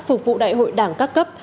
phục vụ đại hội đảng các cấp